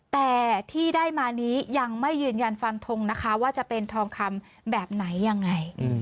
แต่ที่ได้มานี้ยังไม่ยืนยันฟันทงนะคะว่าจะเป็นทองคำแบบไหนยังไง